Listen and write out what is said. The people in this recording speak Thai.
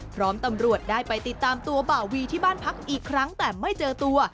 พร้อมตำรวจได้ไปติดตามตัวบ่าวีที่บ้านพักอีกครั้งแต่ไม่เจอตัว